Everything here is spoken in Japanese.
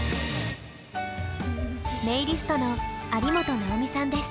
ネイリストの有本奈緒美さんです。